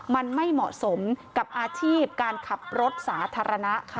มันไม่เหมาะสมกับอาชีพการขับรถสาธารณะค่ะ